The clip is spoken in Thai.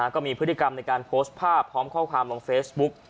ก็มีพฤติกรรมในการโพสต์ภาพพร้อมข้อความลงเฟซบุ๊ก